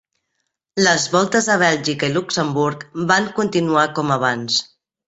Les Voltes a Bèlgica i Luxemburg van continuar com abans.